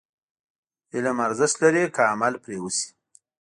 علم ارزښت لري، که عمل پرې وشي.